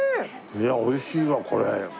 いや美味しいわこれ。